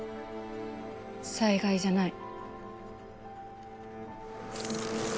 災害じゃない。